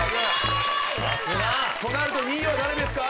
さすが。となると２位は誰ですか？